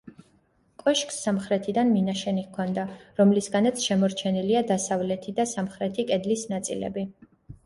კოშკს სამხრეთიდან მინაშენი ჰქონდა, რომლისგანაც შემორჩენილია დასავლეთი და სამხრეთი კედლის ნაწილები.